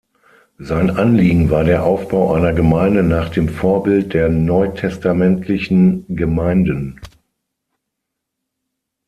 Sein Anliegen war der Aufbau einer Gemeinde nach dem Vorbild der neutestamentlichen Gemeinden.